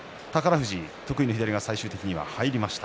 富士、得意の左が最終的に入りました。